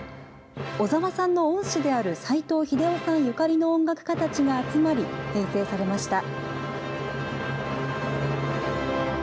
小澤さんの恩師である齋藤秀雄さんゆかりの音楽家たちが集まり、編成されました。